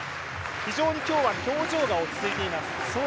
非常に今日は表情が落ち着いています。